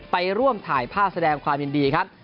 ไปร่วมถ่ายภาพแสดงความยินดีครับ